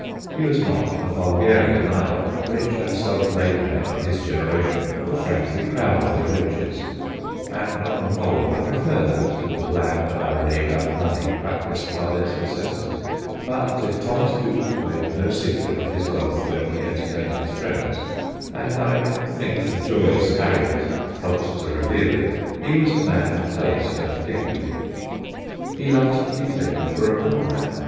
He was not a vulgarian either. Rich and self made men of his generation were frankly proud of their riches (and, on the whole, I prefer that to the bland irony about money practised by their successors) ; but if Thomas Coutts made no secret of his wealth when he enter tained his friends and I think the joyous Harriot helped to reveal it he was a man of taste and dignity. He loved to be taken for a poor man.